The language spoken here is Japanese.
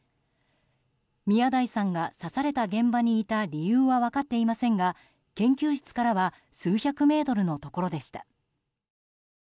宮台さんが刺された現場にいた理由は分かっていませんが研究室からは数百メートルのところでした。